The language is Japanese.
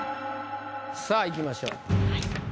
さあいきましょう。